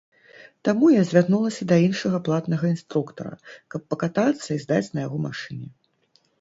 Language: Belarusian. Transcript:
Таму я звярнулася да іншага платнага інструктара, каб пакатацца і здаць на яго машыне.